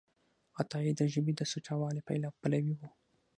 عطایي د ژبې د سوچهوالي پلوی و.